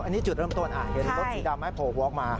อันนี้จุดเริ่มต้นเห็นรถสีด้ำภงว่อมา